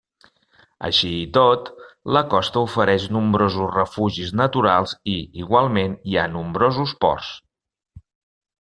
Així i tot, la costa ofereix nombrosos refugis naturals i igualment hi ha nombrosos ports.